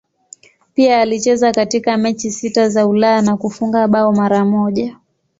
Pia alicheza katika mechi sita za Ulaya na kufunga bao mara moja.